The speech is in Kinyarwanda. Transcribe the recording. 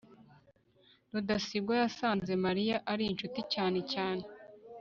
rudasingwa yasanze mariya ari inshuti cyane cyane